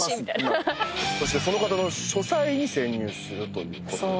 そしてその方の書斎に潜入するということで。